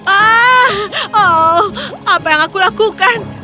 ah oh apa yang aku lakukan